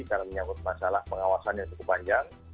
karena menyangkut masalah pengawasan yang cukup panjang